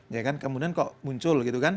ya kan kemudian kok muncul gitu kan